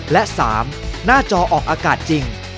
และ๓หน้าจอออกอากาศจริง